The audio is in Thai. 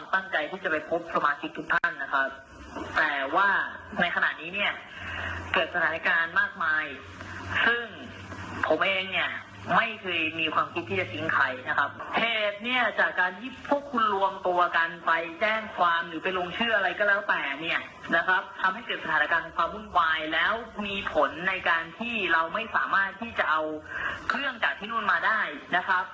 ทำให้เกิดสถานการณ์ความวุ่นวายแล้วมีผลในการที่เราไม่สามารถที่จะเอาเครื่องจากที่นู่นมาได้นะคะ